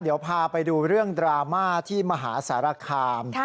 เดี๋ยวพาไปดูเรื่องดราม่าที่มหาสารคาม